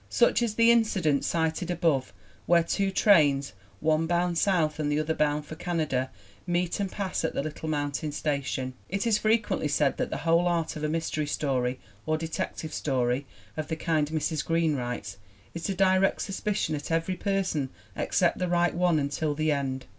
Such is the incident cited above where two trains, one bound south and the other bound for Can ada, meet and pass at the little mountain station. It is frequently said that the whole art of a mys tery story or detective story of the kind Mrs. Green writes is to direct suspicion at every person except the right one, until the end